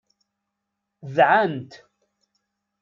Dɛant.